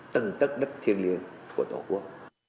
tầng tất đất thiên liêng của tổ quốc